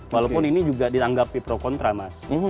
walaupun ini juga dianggapi pro kontra mas